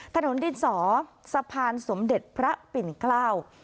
ถนนดินสอสะพานสมเด็จพระปิ่นเกล้า